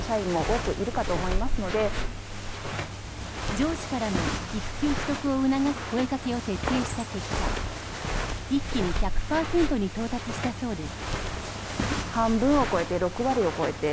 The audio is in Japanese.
上司からの育休取得を促す声かけを徹底した結果一気に１００％に到達したそうです。